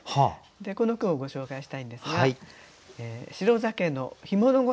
でこの句をご紹介したいんですが。